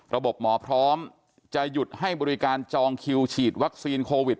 หมอพร้อมจะหยุดให้บริการจองคิวฉีดวัคซีนโควิด